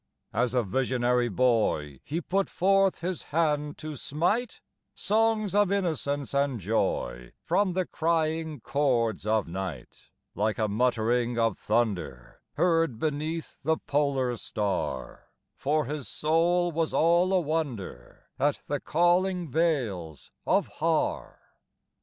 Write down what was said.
As a visionary boy He put forth his hand to smite Songs of innocence and joy From the crying chords of night, Like a muttering of thunder Heard beneath the polar star; For his soul was all a wonder At the calling vales of Har.